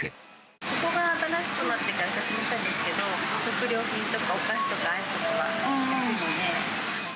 ここが新しくなってから久しぶりに来たんですけど、食料品とかお菓子とかアイスとかは安いので。